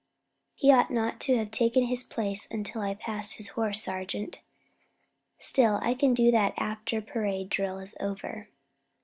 "He ought not to have taken his place until I had passed his horse, sergeant. Still I can do that after parade drill is over."